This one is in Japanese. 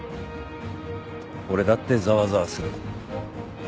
俺だってざわざわする。